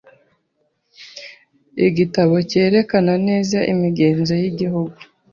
Igitabo cyerekana neza imigenzo yigihugu.